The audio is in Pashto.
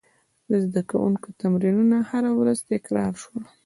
د زده کوونکو تمرینونه هره ورځ تکرار شول.